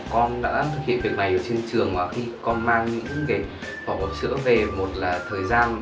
con đã thực hiện việc này ở trên trường và khi con mang những cái vỏ bọt sữa về một là thời gian